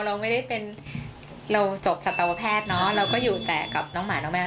เราไม่ได้เป็นเราจบสัตวแพทย์เนอะเราก็อยู่แต่กับน้องหมาน้องแมว